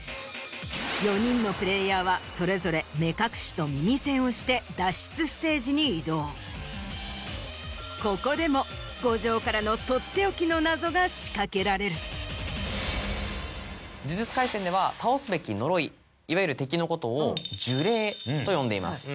４人のプレーヤーはそれぞれここでも五条からのとっておきの謎が仕掛けられる『呪術廻戦』では倒すべき呪いいわゆる敵のことを呪霊と呼んでいます。